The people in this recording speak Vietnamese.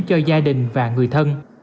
cho gia đình và người thân